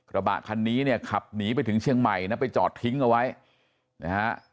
ระบะคันนี้เนี่ยขับหนีไปถึงเชียงใหม่นะไปจอดทิ้งเอาไว้นะฮะ